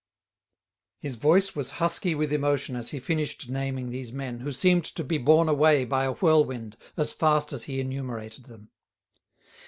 His voice was husky with emotion as he finished naming these men, who seemed to be borne away by a whirlwind as fast as he enumerated them.